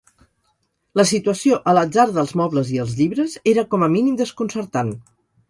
La situació a l'atzar dels mobles i els llibres era com a mínim desconcertant.